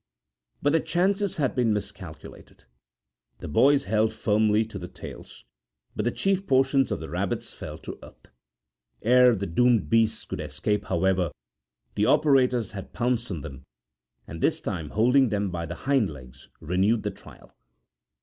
But the chances had been miscalculated. The boys held firmly to the tails, but the chief portions of the rabbits fell to earth. Ere the doomed beasts could escape, however, the operators had pounced upon them, and this time holding them by the hind legs renewed the trial.